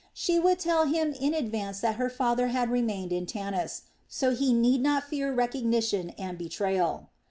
She would tell him in advance that her father had remained in Tanis, so he need not fear recognition and betrayal.